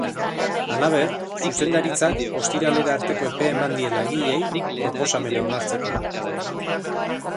Halaber, zuzendaritzak ostiralera arteko epea eman die langileei proposamena onartzeko.